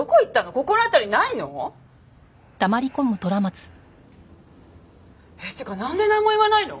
心当たりないの？ってかなんでなんも言わないの？